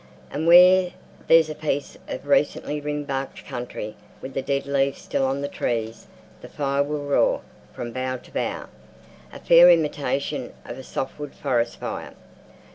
And where there's a piece of recently ringbarked country, with the dead leaves still on the trees, the fire will roar from bough to bough—a fair imitation of a softwood forest fire.